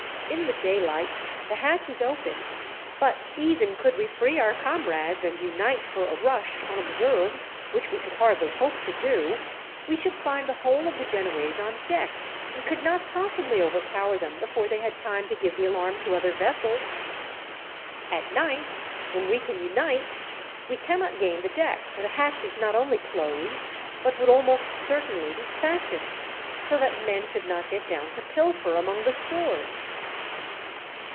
In the daylight the hatch is open; but even could we free our comrades, and unite for a rush, unobserved which we could hardly hope to do we should find the whole of the Genoese on deck, and could not possibly overpower them before they had time to give the alarm to other vessels. At night, when we can unite, we cannot gain the deck, for the hatch is not only closed, but would almost certainly be fastened, so that men should not get down to pilfer among the stores."